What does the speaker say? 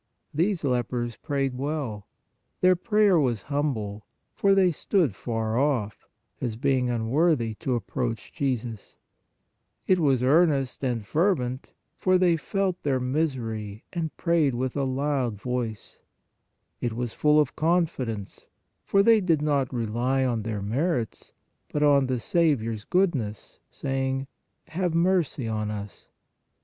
These lepers prayed well. Their prayer was humble, for they stood far off, as being unworthy to approach Jesus; it was earnest and fervent, for they felt their misery and prayed with a loud voice ; it was full of confidence, for they did not rely on their merits, but on the Saviour s good ness, saying: "Have mercy on us."